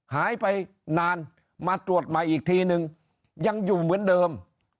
หายไปนานมาตรวจใหม่อีกทีนึงยังอยู่เหมือนเดิม